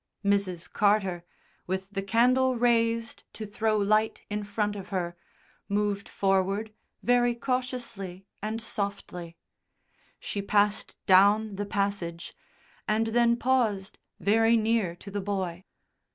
Mrs. Carter, with the candle raised to throw light in front of her, moved forward very cautiously and softly. She passed down the passage, and then paused very near to the boy.